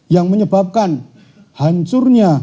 yang menyebabkan hancurnya